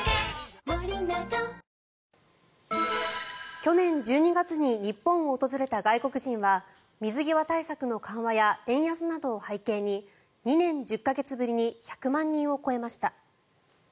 去年１２月に日本を訪れた外国人は水際対策の緩和や円安などを背景に２年１０か月ぶりに１００万人を超えました。